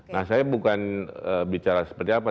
nah saya bukan bicara seperti apa